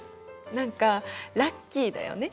何かラッキーだよね。